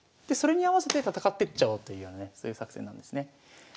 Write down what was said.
でそれに合わせて戦っていっちゃおうというようなねそういう作戦なんですね。